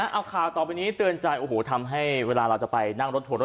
เอาข่าวต่อไปนี้เตือนใจโอ้โหทำให้เวลาเราจะไปนั่งรถทัวรถ